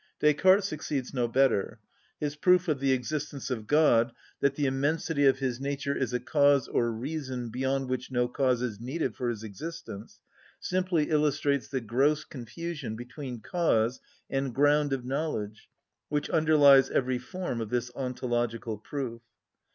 Descartes succeeds no better. His proof of the existence of God that the immensity of His nature is a cause or reason beyond which no cause is needed for His existence, simply illustrates the gross confusion between cause and ground of knowledge which underlies every form of this ontological proof.